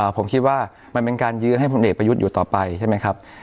ผมคิดว่ามันเป็นการยื้อให้พลเอกประยุทธ์อยู่ต่อไปใช่ไหมครับ